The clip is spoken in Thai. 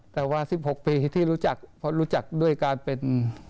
แต่ว่า๑๖ปีที่รู้จักเพราะรู้จักด้วยการเป็น